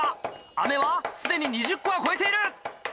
飴は既に２０個は超えている！